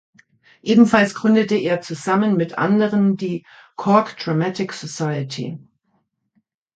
Ebenfalls gründete er zusammen mit anderen die "Cork Dramatic Society".